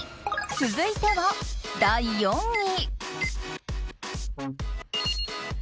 続いては第４位。